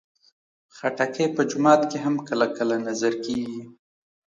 خټکی په جومات کې هم کله کله نذر کېږي.